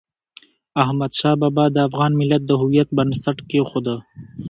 احمد شاه بابا د افغان ملت د هویت بنسټ کېښود.